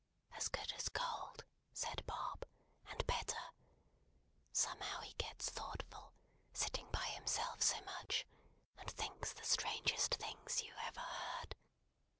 "As good as gold," said Bob, "and better. Somehow he gets thoughtful, sitting by himself so much, and thinks the strangest things you ever heard.